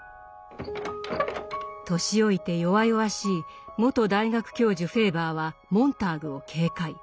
年老いて弱々しい元大学教授フェーバーはモンターグを警戒。